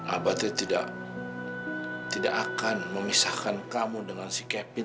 abati tidak akan memisahkan kamu dengan si kevin